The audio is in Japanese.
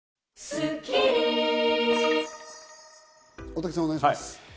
大竹さん、お願いします。